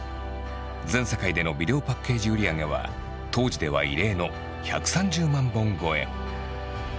全世界でのビデオパッケージ売り上げは当時では異例の１３０万本超え。